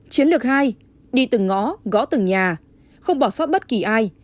chiến lược hai đi từng ngõ gõ từng nhà không bỏ sót bất kỳ ai